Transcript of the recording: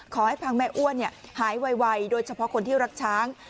ขอให้พังแม่อ้วนหายไวโดยเฉพาะคนที่รักช้าง